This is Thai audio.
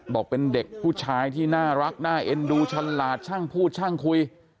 บอกเป็นเด็กผู้ชายที่น่ารักน่าเอ็นดูฉลาดช่างพูดช่างคุย